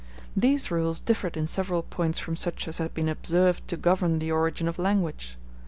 These rules differed in several points from such as had been observed to govern the origin of language.